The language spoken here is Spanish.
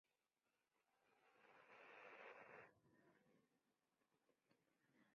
Quería escribir poemas en el lenguaje popular hablado por un hombre común.